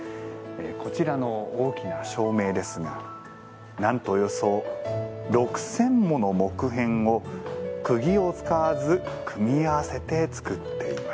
こちらの大きな照明ですがなんとおよそ６，０００もの木片を釘を使わず組み合わせて作っています。